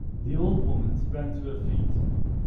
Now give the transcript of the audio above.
The old woman sprang to her feet.